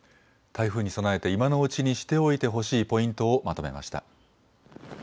台風に備えて今のうちにしておいてほしいポイントをまとめました。